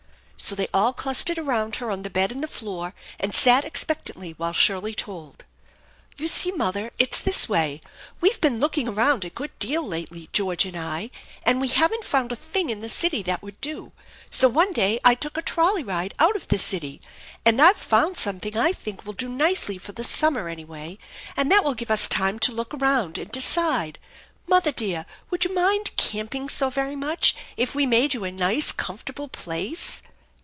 So they all clustered around her on the bed and the floor, and sat expectantly while Shirley told. "You see, mother, it's this way. We've been looking around a good deal lately, George and I, and we haven't found a thing in the city that would do; so one day I took 102 THE ENCHANTED BARN 103 a trolley ride out of the city, and I've found something I think will do nicely for the summer, anyway, and that will give us time to look around and decide. Mother dear, would you mind camping so very much if we made you a nice, comfortable place?"